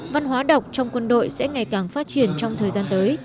văn hóa đọc trong quân đội sẽ ngày càng phát triển trong thời gian tới